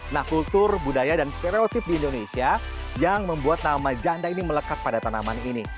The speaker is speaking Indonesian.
nah kultur budaya dan stereotip di indonesia yang membuat nama janda ini melekat pada tanaman ini